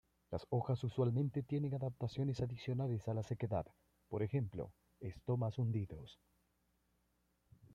Las hojas usualmente tienen adaptaciones adicionales a la sequedad, por ejemplo estomas hundidos.